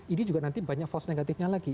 ini juga nanti banyak fast negatifnya lagi